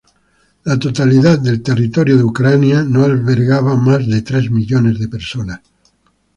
La totalidad del territorio de Ucrania no albergaba más de tres millones de personas.